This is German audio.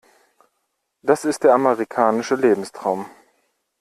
Das ist der amerikanische Lebenstraum.